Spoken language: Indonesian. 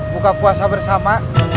buka puasa bersama